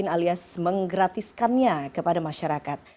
alias menggratiskannya kepada masyarakat